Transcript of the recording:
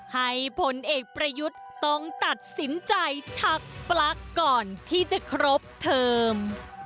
ให้ผลเอกประยุทธ์ต้องตัดสินใจชักปลั๊กก่อนที่จะครบเทิม